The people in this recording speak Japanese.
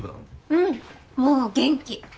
うんもう元気。